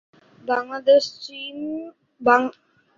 বাংলাদেশ ও চীন যৌথভাবে এই উন্নয়ন প্রকল্পের অর্থায়ন করেছে।